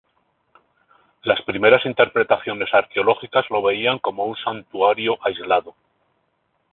Las primeras interpretaciones arqueológicas lo veían como un santuario aislado.